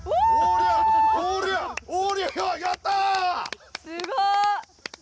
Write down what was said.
おすごい！